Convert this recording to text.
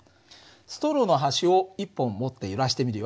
ストローの端を１本持って揺らしてみるよ。